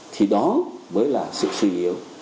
thì đó mới là sự suy yếu